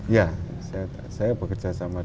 ya saya bekerja sama dengan